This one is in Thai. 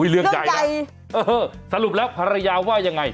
เรื่องใหญ่นะสรุปแล้วภรรยาว่ายังไง